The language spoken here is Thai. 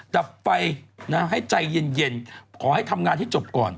ดับไฟให้ใจเย็นขอให้ทำงานให้จบก่อน